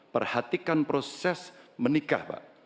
perhatikan proses menikah pak